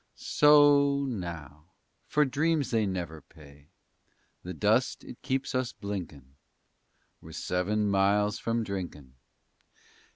So o, now, for dreams they never pay. The dust it keeps us blinkin', _We're seven miles from drinkin'.